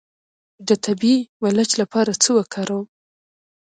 د طبیعي ملچ لپاره څه وکاروم؟